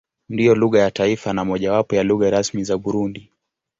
Ndiyo lugha ya taifa na mojawapo ya lugha rasmi za Burundi.